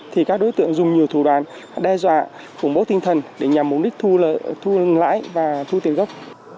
thì các đối tượng dùng nhiều thủ đoàn đe dọa khủng bố tinh thần để nhằm mục đích thu lãi và thu tiền gốc